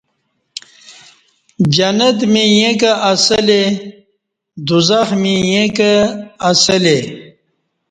جنت می ییں کہ اسہ لے دوزخ می ییں کہ اسہ لے